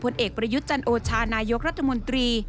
เอกประยุทธ์จันโอชานายกรัฐมนตรี